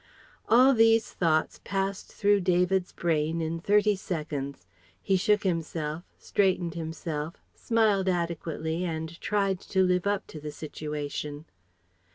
All these thoughts passed through David's brain in thirty seconds. He shook himself, straightened himself, smiled adequately, and tried to live up to the situation.